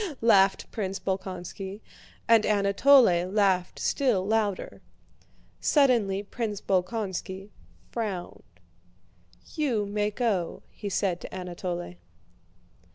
laughed Prince Bolkónski, and Anatole laughed still louder. Suddenly Prince Bolkónski frowned. "You may go," he said to Anatole.